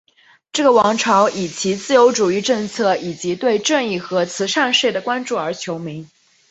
这个王朝以其自由主义政策以及对正义和慈善事业的关注而闻名。